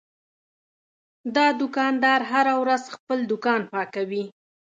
دا دوکاندار هره ورځ خپل دوکان پاکوي.